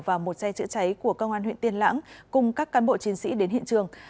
và một xe chữa cháy của công an huyện tiên lãng cùng các cán bộ chiến sĩ đến hiện trường